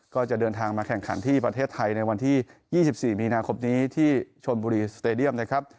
ก็จะเดินทางมาแข่งขันที่ประเทศไทยในวันที่๒๔มีนาคมนี้ที่ชนบุรีสเตดียมนะครับ